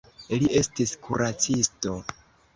Li estis kuracisto.